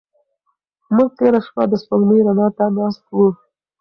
موږ تېره شپه د سپوږمۍ رڼا ته ناست وو.